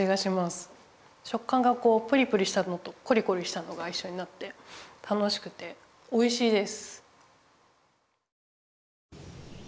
食感がプリプリしたのとコリコリしたのがいっしょになって楽しくておいしいです。